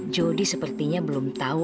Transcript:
jodi sepertinya belum tau